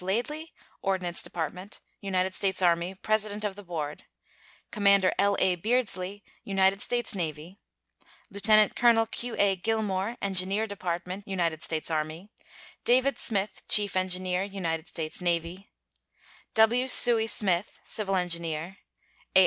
Laidley, Ordnance Department, United States Army, president of the board; Commander L.A. Beardslee, United States Navy; Lieutenant Colonel Q.A. Gillmore, Engineer Department, United States Army; David Smith, Chief Engineer, United States Navy; W. Sooy Smith, civil engineer; A.